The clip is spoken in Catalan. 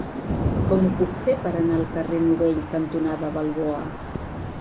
Com ho puc fer per anar al carrer Novell cantonada Balboa?